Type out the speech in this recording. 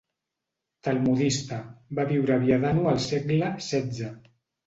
Talmudista; va viure a Viadano al segle setze.